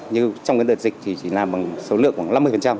nhưng trong cái đợt dịch thì chỉ làm bằng số lượng khoảng năm mươi